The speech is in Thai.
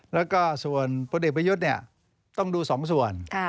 แล้วก็ส่วนพุทธเอกประยุทธนี่ต้องดูสองส่วน